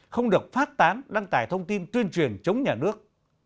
không được phát tán đăng tải thông tin tuyên truyền chống nhà nước